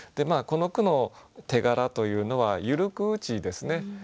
この句の手柄というのは「ゆるく打ち」ですね。